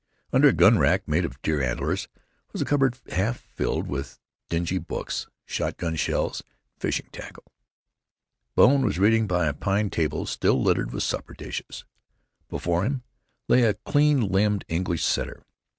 Under a gun rack made of deer antlers was a cupboard half filled with dingy books, shotgun shells, and fishing tackle. Bone was reading by a pine table still littered with supper dishes. Before him lay a clean limbed English setter.